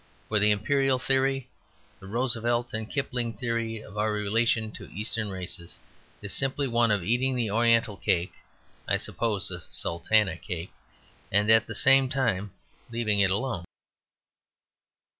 For the Imperial theory, the Roosevelt and Kipling theory, of our relation to Eastern races is simply one of eating the Oriental cake (I suppose a Sultana Cake) and at the same time leaving it alone.